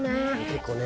結構ね。